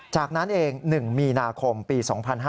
จากนั้นเอง๑มีนาคมปี๒๕๕๙